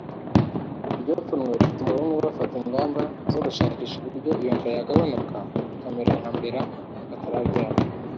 Iryo pfunwe rituma bamwe bafata ingamba zo gushakisha uburyo iyo nda yagabanuka ikamera nka mbera batarabyara